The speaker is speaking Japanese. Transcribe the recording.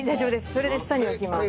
それで下に置きます。